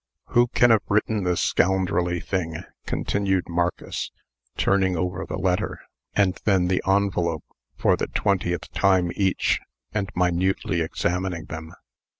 "Who can have written this scoundrelly thing?" continued Marcus, turning over the letter, and then the envelope, for the twentieth time each, and minutely examining them.